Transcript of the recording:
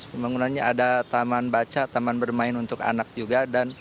pembangunannya ada taman baca taman bermain untuk anak juga